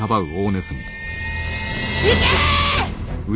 行け！